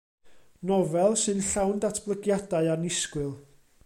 Nofel sy'n llawn datblygiadau annisgwyl.